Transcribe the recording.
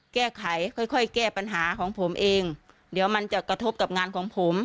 แก้ไขค่อยค่อยแก้ปัญหาของผมเองเดี๋ยวมันจะกระทบกับงานของผม